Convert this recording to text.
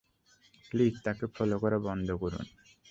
Please তাকে follow করা বন্ধ করুন।